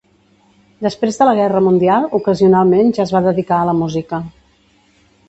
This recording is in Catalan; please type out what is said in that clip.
Després de la guerra mundial, ocasionalment ja es va dedicar a la música.